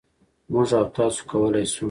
مـوږ او تاسـو کـولی شـو